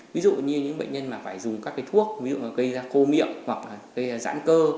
ví dụ như những bệnh nhân phải dùng các thuốc gây ra khô miệng hoặc gây ra giãn cơ